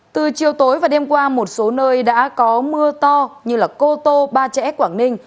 từ chiều tối và đêm qua một số nơi đã có mưa to như cô tô ba trẻ quảng ninh